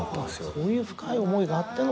そういう深い思いがあっての。